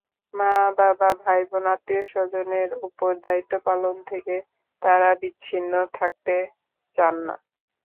মা-বাবা, ভাইবোন, আত্মীয়স্বজনের ওপর দায়িত্ব পালন থেকে তারা বিচ্ছিন্ন থাকতে চান না।